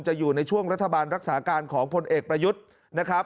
จะอยู่ในช่วงรัฐบาลรักษาการของพลเอกประยุทธิ์